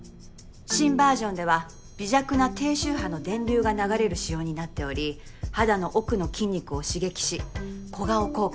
新バージョンでは微弱な低周波の電流が流れる仕様になっており肌の奥の筋肉を刺激し小顔効果